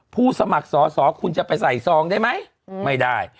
สมัครสอสอคุณจะไปใส่ซองได้ไหมไม่ได้